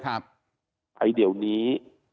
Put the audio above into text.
ไอ้เดี๋ยวนี้